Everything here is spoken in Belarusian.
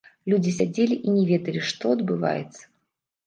Людзі сядзелі і не ведалі, што адбываецца.